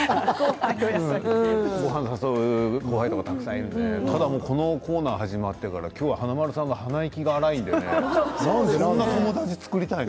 ごはん誘う後輩とかたくさんいるのでただ、このコーナー始まってから今日は華丸さんが鼻息が荒いのでそんなに友達を作りたいの？